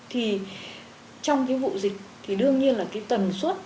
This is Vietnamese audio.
thì trong cái vụ dịch thì đương nhiên là cái tần suất